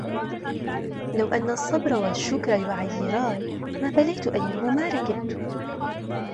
لَوْ أَنَّ الصَّبْرَ وَالشُّكْرَ يُعَيِّرَانِ مَا بَالَيْت أَيَّهُمَا رَكِبْتُ